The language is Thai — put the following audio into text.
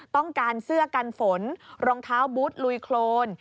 ต้องการเสื้อกันฝนรองเท้าบุตรลุยโครน